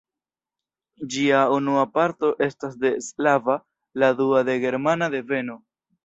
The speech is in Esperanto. Ĝia unua parto estas de slava, la dua de germana deveno.